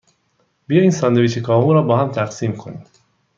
بیا این ساندویچ کاهو را باهم تقسیم کنیم.